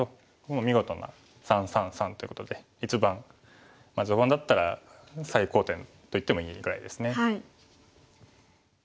もう見事な３３３ということで一番序盤だったら最高点と言ってもいいぐらいですね。